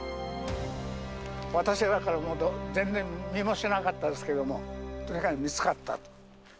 私らからは全然見えもしなかったですけれども、とにかく見つかったと。